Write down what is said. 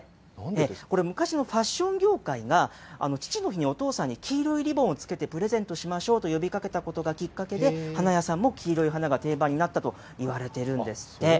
これ、昔のファッション業界が父の日に、お父さんに黄色いリボンをつけてプレゼントしましょうと呼びかけたことがきっかけで、花屋さんも黄色い花が定番になったといわれているんですって。